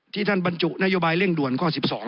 ท่านบรรจุนโยบายเร่งด่วนข้อ๑๒